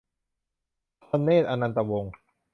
ธเนตร อนันตวงษ์